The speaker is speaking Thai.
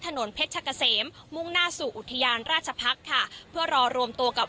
ถนนเพชรกะเสมมุ่งหน้าสู่อุทยานราชพักษ์ค่ะเพื่อรอรวมตัวกับ